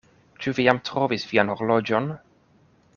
Ĉu vi jam trovis vian horloĝon?